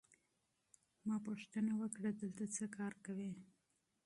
ما وپوښتل چې دلته څه کار کوې؟